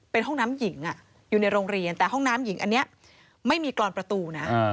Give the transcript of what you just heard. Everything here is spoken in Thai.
เป็นห้องน้ำหญิงอยู่ในโรงเรียนแต่ห้องน้ำหญิงอันนี้ไม่มีกรอนประตูนะ